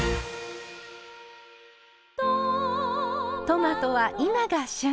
トマトは今が旬。